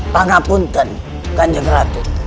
pangapunten kanjeng ratu